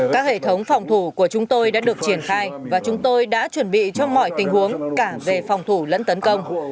các hệ thống phòng thủ của chúng tôi đã được triển khai và chúng tôi đã chuẩn bị cho mọi tình huống cả về phòng thủ lẫn tấn công